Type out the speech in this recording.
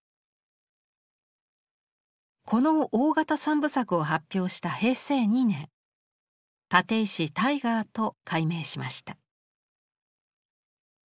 この大型三部作を発表した平成２年立石大河亞と改名しました。